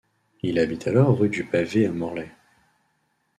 Il habite alors rue du Pavé à Morlaix.